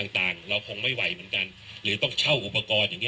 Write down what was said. ต่างเราคงไม่ไหวเหมือนกันหรือต้องเช่าอุปกรณ์อย่างนี้